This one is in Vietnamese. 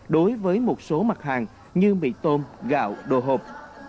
đối với một số mặt hàng như mì tôm gạo đồ hộp